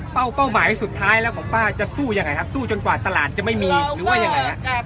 เป้าหมายสุดท้ายแล้วของป้าจะสู้ยังไงครับสู้จนกว่าตลาดจะไม่มีหรือว่ายังไงครับ